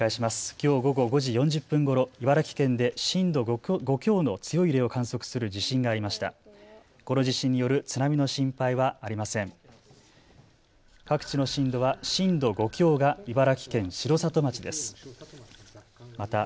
きょう午後５時４０分ごろ茨城県で震度５強の強い揺れを観測する地震がありました。